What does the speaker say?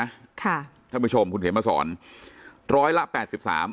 ท่านผู้ชมคุณเขียนมาสอนร้อยละแปดสิบสาม